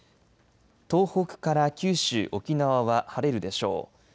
東北から九州、沖縄は晴れるでしょう。